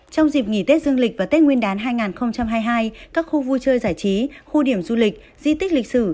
trong dịp nghỉ tết dương lịch và tết nguyên đán hai nghìn hai mươi hai các khu vui chơi giải trí khu điểm du lịch di tích lịch sử